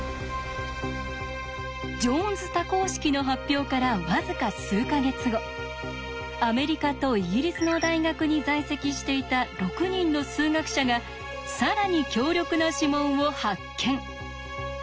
ジョーンズ多項式の発表から僅か数か月後アメリカとイギリスの大学に在籍していた６人の数学者が更に強力な指紋を発見。